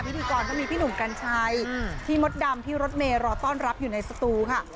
พิธีกรก็มีพี่หนุ่มกัญชัยพี่มดดำพี่รถเมย์รอต้อนรับอยู่ในสตูค่ะ